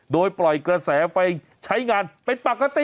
โดยปล่อยกระแสไฟใช้งานเป็นปกติ